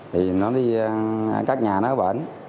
thì nó đi cắt nhà nó bẩn